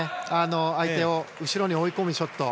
相手を後ろに追い込むショット。